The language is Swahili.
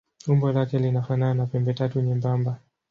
Umbo lake linafanana na pembetatu nyembamba.